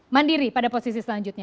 mandiri pada posisi selanjutnya